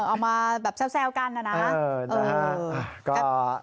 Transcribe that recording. ออกมาแซวกันนะครับ